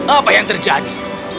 apa yang terjadi